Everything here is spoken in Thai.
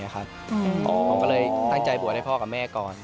ผมก็เลยตั้งใจบวชให้พ่อกับแม่ก่อน